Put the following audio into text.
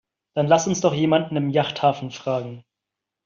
Dann lass uns doch jemanden im Yachthafen fragen.